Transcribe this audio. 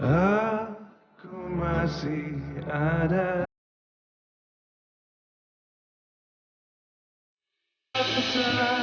kalau mainnya and no' queria dear sembilan belas sangat banget sama aku